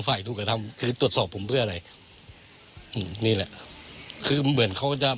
ฝ่ายถูกกระทำคือตรวจสอบผมเพื่ออะไรอืมนี่แหละคือเหมือนเขาจะ